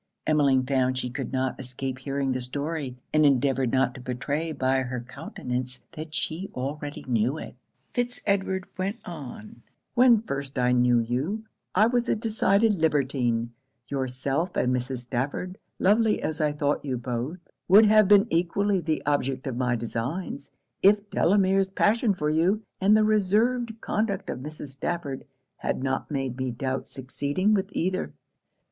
Emmeline found she could not escape hearing the story, and endeavoured not to betray by her countenance that she already knew it. Fitz Edward went on 'When first I knew you, I was a decided libertine. Yourself and Mrs. Stafford, lovely as I thought you both, would have been equally the object of my designs, if Delamere's passion for you, and the reserved conduct of Mrs. Stafford, had not made me doubt succeeding with either.